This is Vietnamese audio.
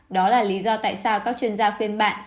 đó là lý do tại sao các chuyên gia khuyên bạn